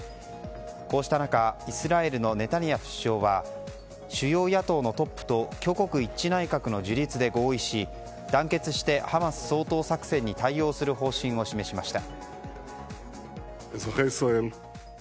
こうした中イスラエルのネタニヤフ首相は主要野党のトップと挙国一致内閣の樹立で合意し団結してハマス掃討作戦に対応する方針を示しました。